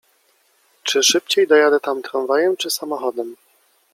Czy szybciej dojadę tam tramwajem czy samochodem?